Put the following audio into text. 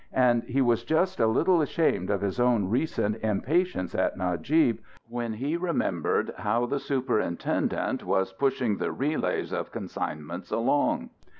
And he was just a little ashamed of his own recent impatience at Najib, when he remembered how the superintendent was pushing the relays of consignments along.